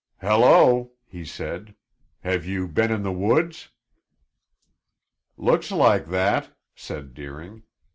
"Hello!" he said. "Have you been in the woods?" "Looks like that!" said Deering.